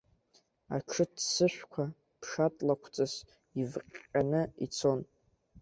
Аҽы ццышәқәа ԥшатлакәҵас ивҟьҟьаны ицон.